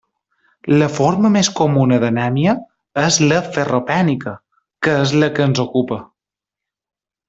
La forma més comuna d'anèmia és la ferropènica, que és la que ens ocupa.